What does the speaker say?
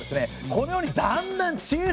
このようにだんだん小さ。